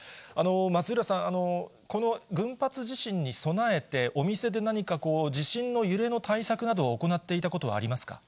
松浦さん、この群発地震に備えて、お店で何か地震の揺れの対策などを行っていたことはありますか。